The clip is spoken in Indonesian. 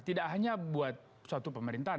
tidak hanya buat suatu pemerintahan